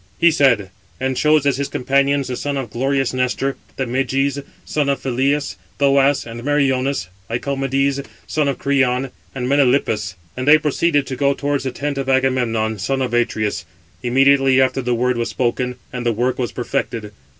He said, and chose as his companions the sons of glorious Nestor, and Meges, son of Phyleus, Thoas, and Meriones, Lycomedes, son of Creon, and Melanippus; and they proceeded to go towards the tent of Agamemnon, son of Atreus. Immediately after the word was spoken, and the work was perfected.